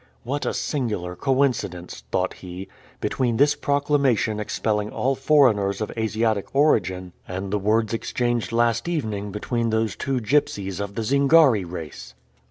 "What a singular coincidence," thought he, "between this proclamation expelling all foreigners of Asiatic origin, and the words exchanged last evening between those two gipsies of the Zingari race.